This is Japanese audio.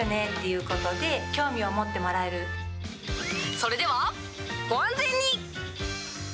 それでは、ご安全に。